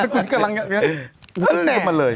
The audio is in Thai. มันกำลังอยู่ขึ้นมาเลย